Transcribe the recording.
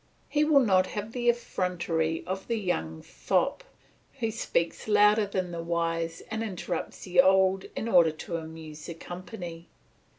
He will not have the effrontery of the young fop, who speaks louder than the wise and interrupts the old in order to amuse the company.